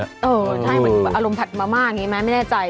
เออใช่เหมือนอารมณ์ผัดมาม่าไม่แน่ใจ